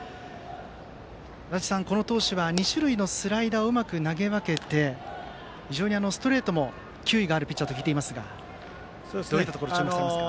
足達さん、この投手は２種類のスライダーを投げ分けて非常にストレートも球威があるピッチャーだと聞いていますがどういったところに注目されますか？